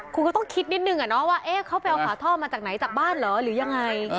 คุณก็ต้องคิดนิดนึงว่าเขาไปเอาฝาท่อมาจากไหนจากบ้านเหรอหรือยังไง